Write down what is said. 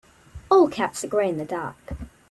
All cats are grey in the dark.